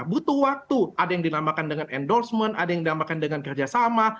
butuh waktu ada yang dinamakan dengan endorsement ada yang dinamakan dengan kerjasama